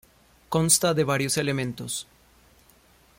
Consta de varios elementos.